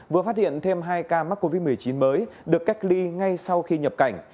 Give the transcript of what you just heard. vừa phát hiện thêm hai ca mắc covid một mươi chín mới được cách ly ngay sau khi nhập cảnh